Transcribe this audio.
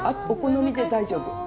お好みで大丈夫。